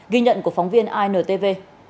ghi nhận của phóng viên intv